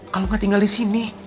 kalau nggak tinggal di sini